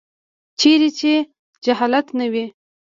چیرې چې جهالت نه وي.